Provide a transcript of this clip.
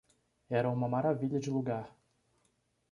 Era uma maravilha de lugar.